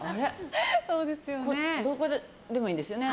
どこでもいいんですよね。